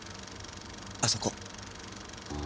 あそこ。